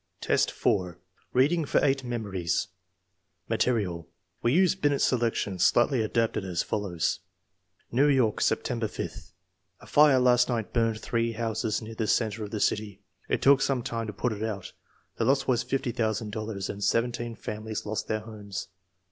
X, 4. Reading for eight memories Material. We use Binet's selection, slightly adapted, as follows: i New York, September 5th. A fire last night burned three houses near the center of tJie city. It took some time to put it out. The loss was fifty thousand dollars, and seventeen families lost their homes.